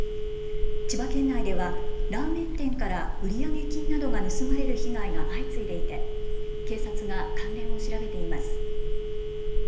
千葉県内ではラーメン店から売上金などが盗まれる被害が相次いでいて警察が関連を調べています。